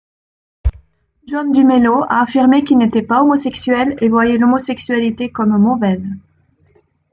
John Dumelo a affirmé qu'il n'était pas homosexuel et voyait l'homosexualité comme mauvaise.